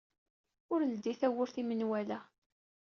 Ur leddey tawwurt i menwala.